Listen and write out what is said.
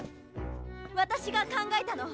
私が考えたの。